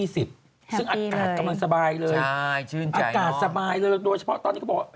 ซึ่งอากาศกำลังสบายเลยอากาศสบายเลยโดยเฉพาะตอนนี้เขาบอกว่า